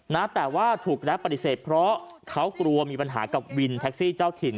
นะแต่ว่าถูกและปฏิเสธเพราะเขากลัวมีปัญหากับวินแท็กซี่เจ้าถิ่น